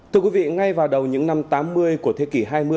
thưa quý vị ngay vào đầu những năm tám mươi của thế kỷ hai mươi